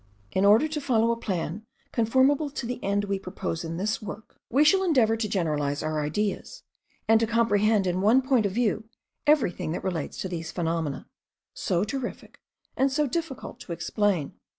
In order to follow a plan conformable to the end we proposed in this work, we shall endeavour to generalize our ideas, and to comprehend in one point of view everything that relates to these phenomena, so terrific, and so difficult to explain.